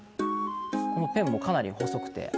このペンもかなり細くて。